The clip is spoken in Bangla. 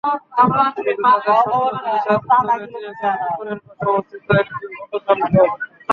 কিন্তু তাঁদের স্বপ্ন ধূলিসাৎ করে দিয়েছে পুকুরের পাশে অবস্থিত একটি অটো-চালকল।